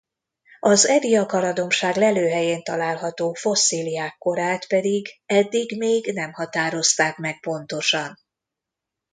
Az Ediakara-dombság lelőhelyén található fosszíliák korát pedig eddig még nem határozták meg pontosan.